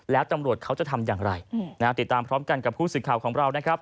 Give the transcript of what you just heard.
แล้วตำรวจเขาจะทำอย่างไรติดตามพร้อมกันกับผู้สื่อข่าวของเรานะครับ